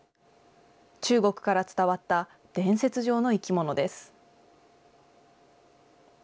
中国から伝わった伝説上の生き物です。